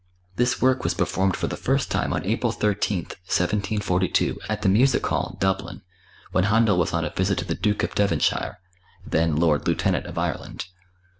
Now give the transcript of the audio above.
This work was performed for the first time on April 13, 1742, at the Music Hall, Dublin, when Händel was on a visit to the Duke of Devonshire, then Lord Lieutenant of Ireland.